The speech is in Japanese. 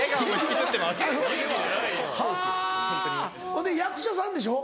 ほんで役者さんでしょ？